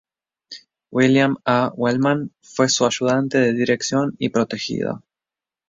William A. Wellman fue su ayudante de Dirección y protegido.